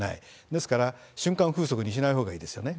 ですから、瞬間風速にしないほうがいいですよね。